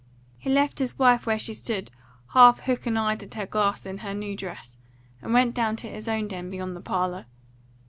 He left his wife where she stood half hook and eyed at her glass in her new dress, and went down to his own den beyond the parlour.